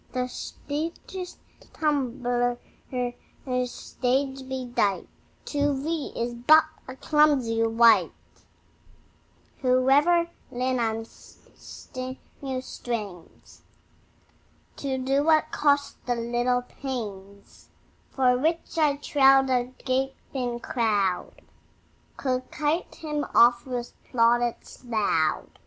The featest tumbler, stage bedight, To thee is but a clumsy wight, Who every limb and sinew strains To do what costs thee little pains; For which, I trow, the gaping crowd Requite him oft with plaudits loud.